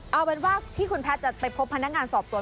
เอาเป็นว่าที่คุณแพทย์จะไปพบพนักงานสอบสวน